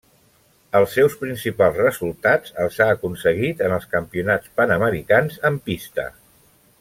Els seus principals resultats els ha aconseguit en els Campionats Panamericans en pista.